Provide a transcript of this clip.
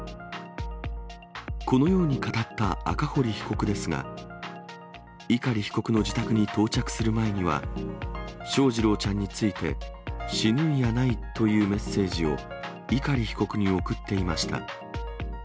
このように語った赤堀被告ですが、碇被告の自宅に到着する前には、翔士郎ちゃんについて、死ぬんやないというメッセージを碇被告に送っていました。